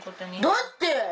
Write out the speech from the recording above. だって！